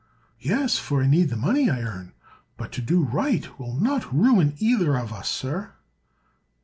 "Yes; for I need the money I earn. But to do right will not ruin either of us, sir."